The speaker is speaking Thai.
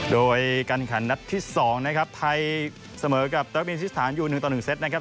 โดยการขันนัดที่สองนะครับไทยเสมอกับเตอร์เนินทิศภาคอยู่หนึ่งต่อหนึ่งเซ็ตนะครับ